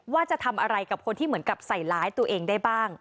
ว่าจะทำอะไรกับคนที่เหมือนกับใส่ร้ายตัวเองได้บ้าง